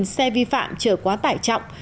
xe vi phạm trở quá tải trọng